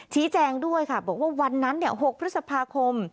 ชี้แจงด้วยค่ะบอกว่าวันนั้น๖พฤษภาคม